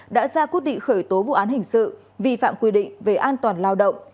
đã ra quyết định khởi tố vụ án hình sự vi phạm quy định về an toàn lao động